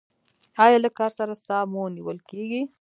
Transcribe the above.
ایا لږ کار سره ساه مو نیول کیږي؟